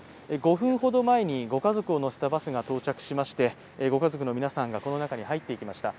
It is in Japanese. ５分ほど前にご家族を乗せたバスが到着しましてご家族の皆さんがこの中に入っていきました。